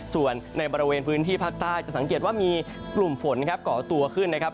ส่วนในบริเวณพื้นที่ภาคใต้จะสังเกตว่ามีกลุ่มฝนครับก่อตัวขึ้นนะครับ